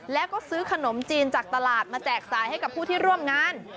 แล้วก็ซื้อขนมจีนจากตลาดมาแจกจ่ายให้กับผู้ที่ร่วมงาน